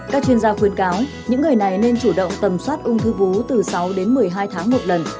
các chuyên gia khuyên cáo những người này nên chủ động tầm soát ung thư vú từ sáu đến một mươi hai tháng một lần